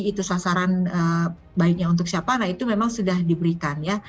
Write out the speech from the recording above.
itu sasaran baiknya untuk siapa itu memang sudah diberikan